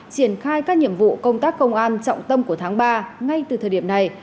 triển khai các nhiệm vụ công tác công an trọng tâm của tháng ba ngay từ thời điểm này